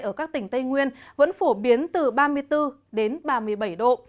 ở các tỉnh tây nguyên vẫn phổ biến từ ba mươi bốn đến ba mươi bảy độ